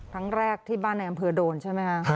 ครั้งแรกที่บ้านในอำเภอโดนใช่ไหมคะ